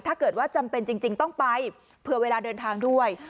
ถ้าเกิดว่าจำเป็นจริงต้องไปเพื่อเวลาเดินทางด้วย